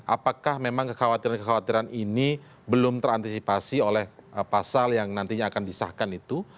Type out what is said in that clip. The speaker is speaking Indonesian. apakah memang kekhawatiran kekhawatiran ini belum terantisipasi oleh pasal yang nantinya akan disahkan itu